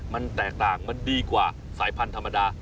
มันแตกต่างมันดีกว่าสายพันธุ์ธรรมดา